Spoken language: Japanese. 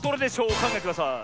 おかんがえください。